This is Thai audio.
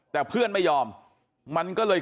แต่เพื่อนไม่ยอมมันก็เลย